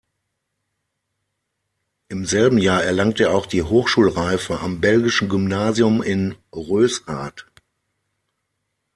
Im selben Jahr erlangt er auch die Hochschulreife am Belgischen Gymnasium in Rösrath.